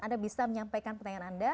anda bisa menyampaikan pertanyaan anda